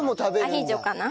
アヒージョかな？